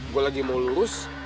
gue lagi mau lurus